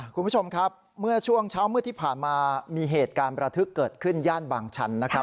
คุณผู้ชมครับเมื่อช่วงเช้ามืดที่ผ่านมามีเหตุการณ์ประทึกเกิดขึ้นย่านบางชันนะครับ